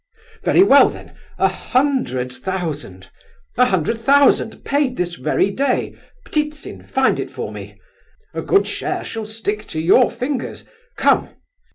"Very well then, a hundred thousand! a hundred thousand! paid this very day. Ptitsin! find it for me. A good share shall stick to your fingers—come!"